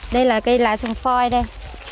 đây là cây lá trồng phoi đây